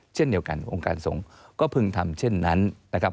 เช่นเดียวกันองค์การทรงก็พึงทำเช่นนั้นนะครับ